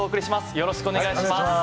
よろしくお願いします。